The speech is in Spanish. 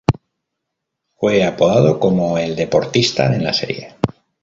Fue apodado como "el deportista" en la serie.